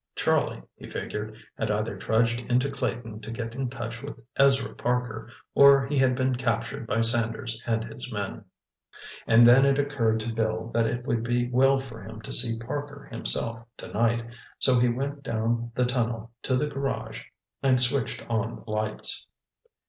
Charlie, he figured, had either trudged into Clayton to get in touch with Ezra Parker, or he had been captured by Sanders and his men. And then it occurred to Bill that it would be well for him to see Parker himself, tonight, so he went down the tunnel to the garage and switched on the lights.